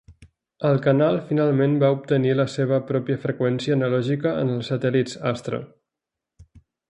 El canal finalment va obtenir la seva pròpia freqüència analògica en els satèl·lits Astra.